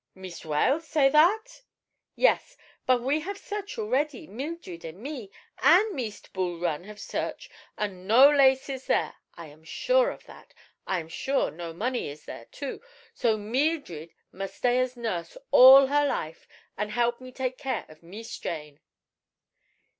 "Meest Weld say that?" "Yes. But we have search already—Meeldred an' me—an' Meest Bul Run have search, an' no lace is there. I am sure of that. I am sure no money is there, too. So Meeldred mus' stay as nurse all her life an' help me take care of Mees Jane."